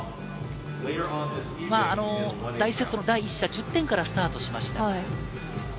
第１セットの第１射、１０点からスタートしました。